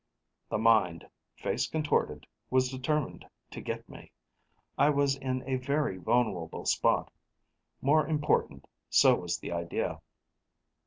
The Mind, face contorted, was determined to get me. I was in a very vulnerable spot; more important, so was the idea.